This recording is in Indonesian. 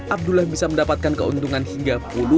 abdullah bisa mendapatkan keuntungan hingga puluhan